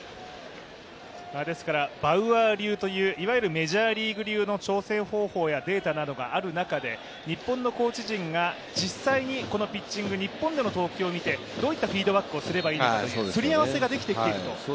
バウアー流といういわゆるメジャーリーグ流の調整方法やデータなどがある中で、日本のコーチ陣が実際にこのピッチング、日本での投球を見てどういったフィードバックをすればいいのかのすり合わせができていると。